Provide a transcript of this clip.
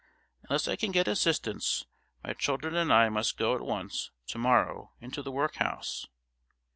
Unless I can get assistance my children and I must go at once tomorrow into the workhouse.